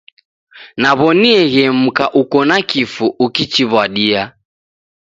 Naw'onieghe mka uko na kifu ukichiw'adia.